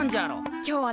今日はね